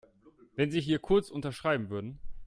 Wenn Sie hier kurz unterschreiben würden.